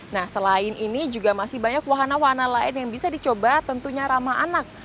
nah selain ini juga masih banyak wahana wahana lain yang bisa dicoba tentunya ramah anak